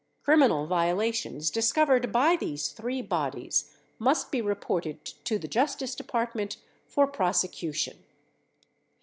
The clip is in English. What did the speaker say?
Criminal violations discovered by these three bodies must be reported to the Justice Department for prosecu tion.